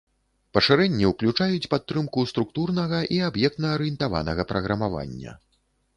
Пашырэнні ўключаюць падтрымку структурнага і аб'ектна-арыентаванага праграмавання.